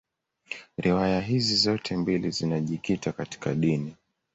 Riwaya hizi zote mbili zinajikita katika dini.